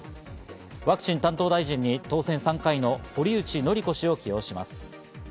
ワクチン担当大臣に当選３回の堀内詔子氏を起用します。